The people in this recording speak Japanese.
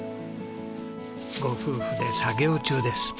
ご夫婦で作業中です。